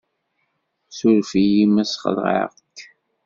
Suref-iyi ma ssxelεeɣ-k.